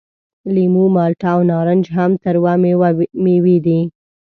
لیمو، مالټه او نارنج هم تروه میوې دي.